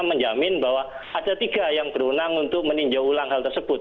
menjamin bahwa ada tiga yang berwenang untuk meninjau ulang hal tersebut